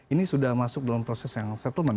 ini sudah masuk dalam proses yang settlement